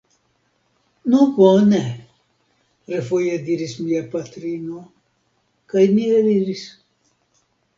Nu, bone! refoje diris mia patrino kaj ni eliris.